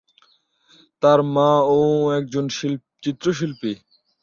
তার মা-ও একজন চিত্রশিল্পী।